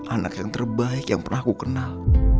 anak yang terbaik yang pernah aku kenal